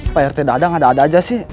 pak rt dadang ada ada aja sih